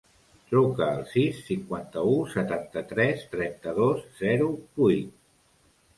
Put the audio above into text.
Truca al sis, cinquanta-u, setanta-tres, trenta-dos, zero, vuit.